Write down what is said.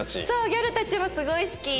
ギャルたちもすごい好き！